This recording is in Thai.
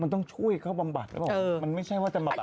มันต้องช่วยเขาปรรามบัติเลยบอก